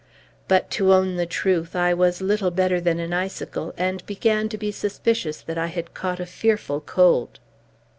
But, to own the truth, I was little better than an icicle, and began to be suspicious that I had caught a fearful cold.